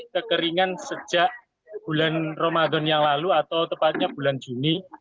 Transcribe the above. kekeringan sejak bulan ramadan yang lalu atau tepatnya bulan juni